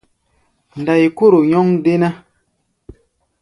Ndai-kóro nyɔ́ŋ déná.